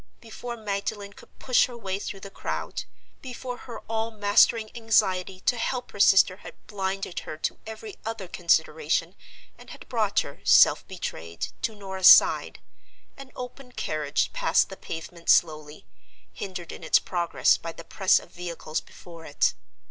Before Magdalen could push her way through the crowd—before her all mastering anxiety to help her sister had blinded her to every other consideration, and had brought her, self betrayed, to Norah's side—an open carriage passed the pavement slowly, hindered in its progress by the press of vehicles before it.